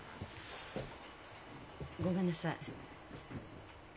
ごめんなさい。